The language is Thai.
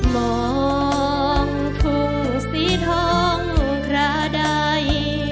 มองทุ่งสีทองคราใด